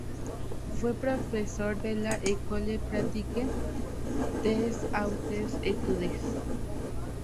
Fue profesor de la École Pratique des Hautes Études.